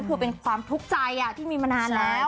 คือเป็นความทุกข์ใจที่มีมานานแล้ว